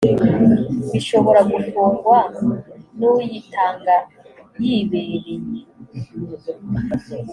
bishobora gufungwa n uyitanga yibereye